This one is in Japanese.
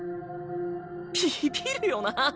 ビビるよな！